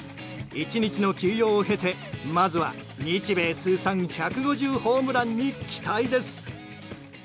１日の休養を経てまずは日米通算１５０号ホームランに期待です。